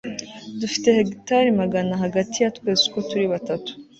dufite hegitari magana hagati ya twese uko turi batatu